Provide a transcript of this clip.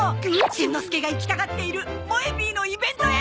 しんのすけが行きたがっているもえＰのイベントへ！